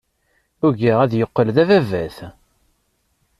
Ugaɣ ad yeqqel d ababat.